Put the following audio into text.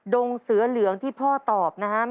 ทุงเซอเรืองที่พ่อตอบนะคะ